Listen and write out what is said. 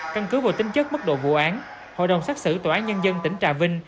căn cứ vào tính chất mức độ vụ án hội đồng xác xử tòa án nhân dân tỉnh trà vinh